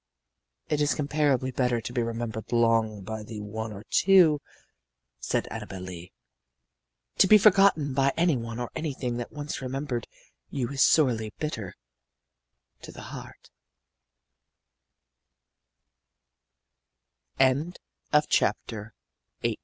"It is incomparably better to be remembered long by the one or two," said Annabel Lee. "To be forgotten by any one or anything that once remembered you is sorely bitter to the h